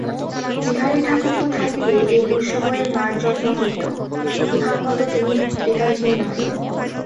বিহারী-ঠাকুরপো থাকিলে এই দুঃসময়ে মার যত্ন হইত–ইঁহার মতো তিনি হৃদয়হীন নহেন।